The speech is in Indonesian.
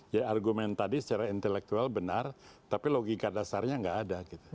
jadi argumen tadi secara intelektual benar tapi logika dasarnya nggak ada gitu